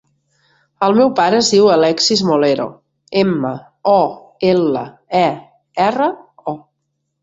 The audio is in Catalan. El meu pare es diu Alexis Molero: ema, o, ela, e, erra, o.